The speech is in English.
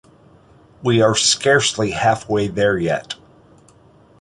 We are scarcely halfway there yet.